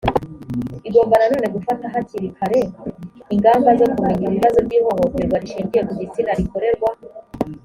igomba na none gufata hakiri kare ingamba zo kumenya ibibazo by ihohoterwa rishingiye ku gitsina rikorerwa